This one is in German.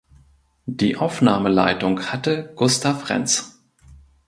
Die Aufnahmeleitung hatte Gustav Renz.